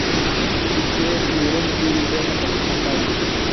Mfite inkuru nziza namakuru mabi.